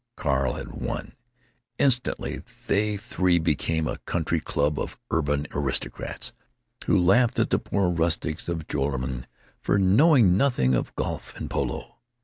Carl had won. Instantly they three became a country club of urban aristocrats, who laughed at the poor rustics of Joralemon for knowing nothing of golf and polo.